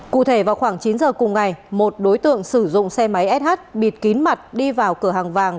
cụ thể vào khoảng chín giờ cùng ngày một đối tượng sử dụng xe máy sh bịt kín mặt đi vào cửa hàng vàng